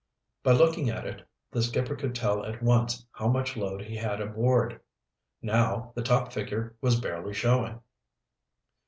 By looking at it, the skipper could tell at once how much load he had aboard. Now, the top figure was barely showing.